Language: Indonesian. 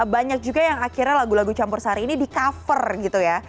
banyak juga yang akhirnya lagu lagu campur sari ini di cover gitu ya